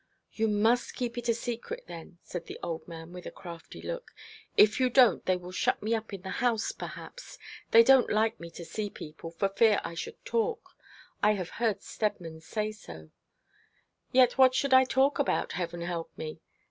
'You must keep it a secret, then,' said the old man, with a crafty look. 'If you don't they will shut me up in the house, perhaps. They don't like me to see people, for fear I should talk. I have heard Steadman say so. Yet what should I talk about, heaven help me?